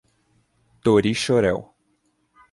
Torixoréu